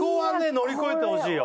乗り越えてほしいよ